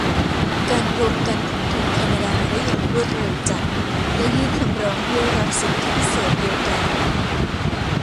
การรวมกันของทุนแคนาดาได้อย่างรวดเร็วจัดและยื่นคำร้องเพื่อรับสิทธิพิเศษเดียวกัน